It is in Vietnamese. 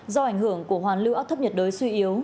do ảnh hưởng của hoàn lưu áp thấp nhiệt đới suy yếu